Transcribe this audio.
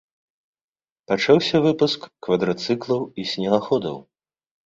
Пачаўся выпуск квадрацыклаў і снегаходаў.